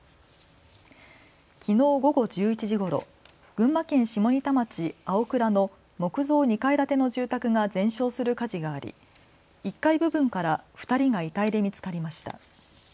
きのう午後１１時ごろ、群馬県下仁田町青倉の木造２階建ての住宅が全焼する火事があり１階部分から２人が遺体で見つかりました。